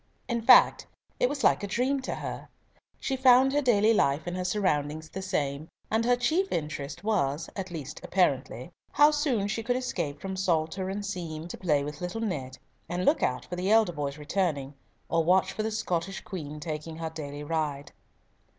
In fact it was like a dream to her. She found her daily life and her surroundings the same, and her chief interest was—at least apparently—how soon she could escape from psalter and seam, to play with little Ned, and look out for the elder boys returning, or watch for the Scottish Queen taking her daily ride.